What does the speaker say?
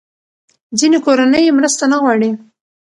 ځینې کورنۍ مرسته نه غواړي.